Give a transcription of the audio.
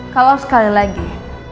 kalau sekali lagi